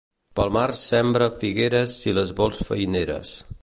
Pel març sembra figueres si les vols feineres.